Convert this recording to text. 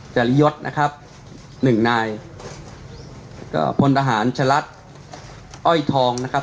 จริยศนะครับหนึ่งนายเอ่อพลทหารชะลัดอ้อยทองนะครับ